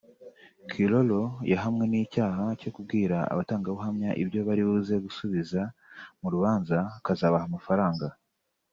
Kilolo yahamwe n’icyaha cyo kubwira abatangabuhamya ibyo bari buze gusubiza mu rubanza akazabaha amafaranga